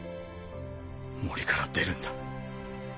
森から出るんだ。